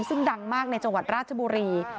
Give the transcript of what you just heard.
ซึ่งดังมากในจังหวัดราชบุรี